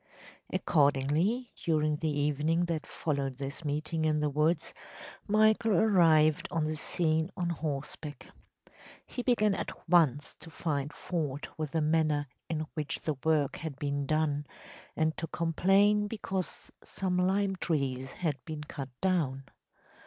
Accordingly, during the evening that followed this meeting in the woods Michael arrived on the scene on horseback. He began at once to find fault with the manner in which the work had been done, and to complain because some lime trees had been cut down.